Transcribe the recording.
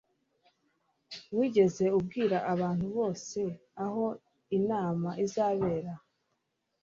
wigeze ubwira abantu bose aho inama izabera